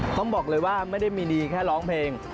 ต้องบอกเลยว่าไม่ได้มีดีแค่ร้องเพลง